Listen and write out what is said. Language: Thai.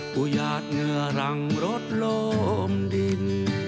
ผู้หยาดเหงื่อรังรถโลมดิน